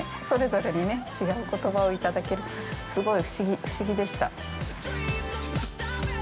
それぞれにね、違う言葉をいただけるって、すごい不思議でした。